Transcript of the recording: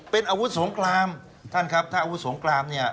เป็นอาวุธสงครามท่านครับถ้าอาวุธสงครามเนี่ย